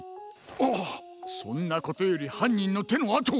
あっそんなことよりはんにんのてのあとを。